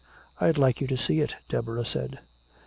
I'd like you to see it," Deborah said.